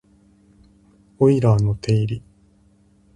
オイラーの定理